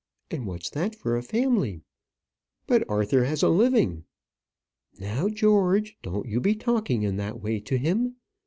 And what's that for a family?" "But Arthur has a living." "Now, George, don't you be talking in that way to him.